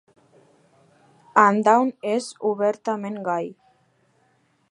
En Down és obertament gai.